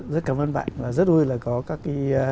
rất cảm ơn bạn và rất vui là có các cái